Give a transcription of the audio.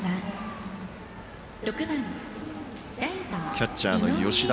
キャッチャーの吉田。